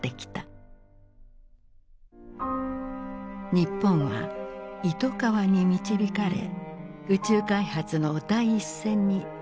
日本は糸川に導かれ宇宙開発の第一線に躍り出たのである。